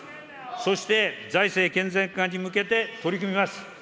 そして、財政健全化に向けて取り組みます。